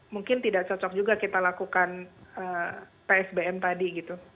mungkin tidak cocok juga kita lakukan psbm tadi gitu